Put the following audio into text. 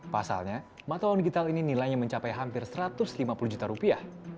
pasalnya mata uang digital ini nilainya mencapai hampir satu ratus lima puluh juta rupiah